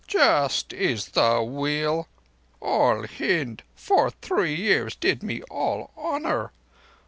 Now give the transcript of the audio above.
Just is the Wheel! All Hind for three years did me all honour.